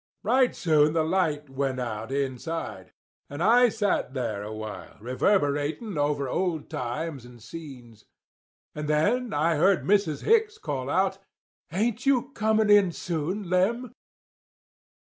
Right soon the light went out inside; and I sat there a while reverberating over old times and scenes. And then I heard Mrs. Hicks call out, 'Ain't you coming in soon, Lem?